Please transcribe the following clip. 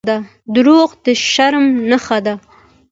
• دروغ د شرم نښه ده.